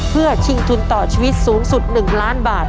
เพื่อชิงทุนต่อชีวิตสูงสุด๑ล้านบาท